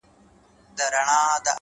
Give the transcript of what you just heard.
o و ذهن ته دي بيا د بنگړو شرنگ در اچوم؛